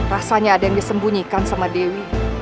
rasanya ada yang disembunyikan sama dewi